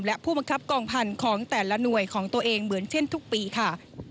และผู้บังคับกองพันธุ์ของแต่ละหน่วยของตัวเองเหมือนเช่นทุกปีค่ะ